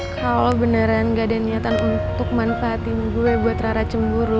kalau beneran gak ada niatan untuk manfaatin gue buat rara cemburu